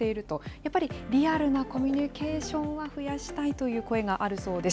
やっぱりリアルなコミュニケーションは、増やしたいという声があるそうです。